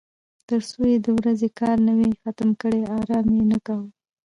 تر څو یې د ورځې کار نه وای ختم کړی ارام یې نه کاوه.